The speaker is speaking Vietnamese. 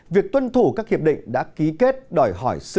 việc tuân thủ các hiệp định đã ký kết đòi hỏi sự